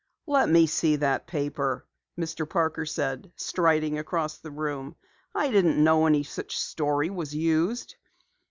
"Let me see that paper," Mr. Parker said, striding across the room. "I didn't know any such story was used."